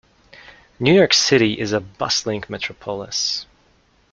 New York City is a bustling metropolis.